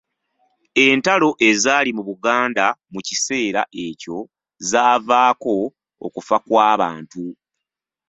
Entalo ezaali mu Buganda mu kiseera ekyo zaavaako okufa kw’abantu.